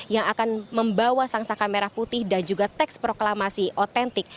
yang akan membawa sang saka merah putih dan juga teks proklamasi otentik